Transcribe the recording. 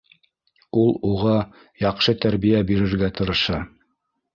Ул уға яҡшы тәрбиә бирергә тырыша.